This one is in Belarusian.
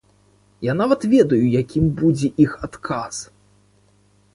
Я нават ведаю, якім будзе іх адказ.